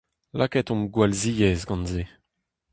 Lakaet omp gwall ziaes gant-se.